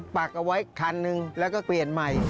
ปักเอาไว้คันหนึ่งแล้วก็เปลี่ยนใหม่